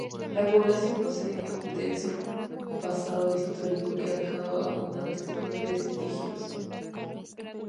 La población posee un denso pasado histórico que ha dejado abundantes vestigios.